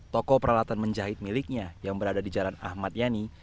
toko peralatan menjahit miliknya yang berada di jalan ahmadiani